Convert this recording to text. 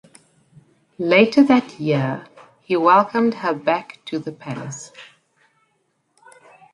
Later that year, he welcomed her back to the palace.